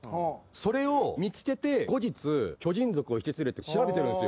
それを見つけて後日巨人族を引き連れて調べてるんすよ。